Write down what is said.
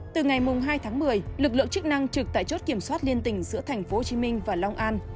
từ ngày hai tháng một mươi lực lượng chức năng trực tại chốt kiểm soát liên tình giữa thành phố hồ chí minh và long an